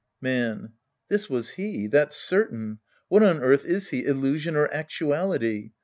Man. This was he. That's certain. What on earth is he, illusion or actuality?